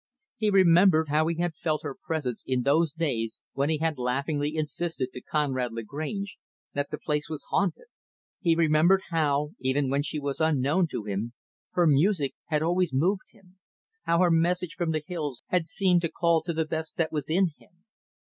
He remembered how he had felt her presence in those days when he had laughingly insisted to Conrad Lagrange that the place was haunted. He remembered how, even when she was unknown to him, her music had always moved him how her message from the hills had seemed to call to the best that was in him.